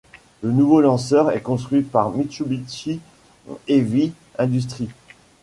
Le nouveau lanceur est construit par Mitsubishi Heavy Industries.